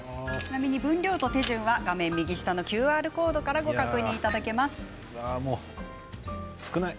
分量などは画面右下のＱＲコードからご確認いただけます。